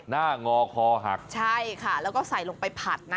งอคอหักใช่ค่ะแล้วก็ใส่ลงไปผัดนะ